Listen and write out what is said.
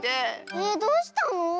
えっどうしたの？